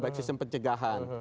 baik sistem pencegahan